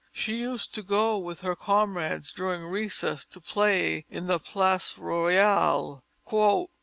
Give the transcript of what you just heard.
She used to go with her comrades, during recess, to play in the Place Royale.